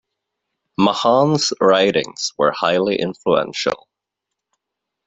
Mahan's writings were highly influential.